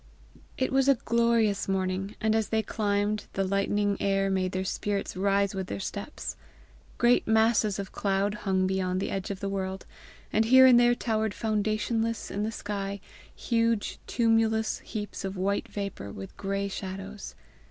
It was a glorious morning, and as they climbed, the lightening air made their spirits rise with their steps. Great masses of cloud hung beyond the edge of the world, and here and there towered foundationless in the sky huge tumulous heaps of white vapour with gray shadows.